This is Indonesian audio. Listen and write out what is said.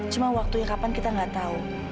cuma waktunya kapan kita nggak tahu